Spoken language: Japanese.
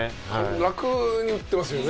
楽に打ってますよね。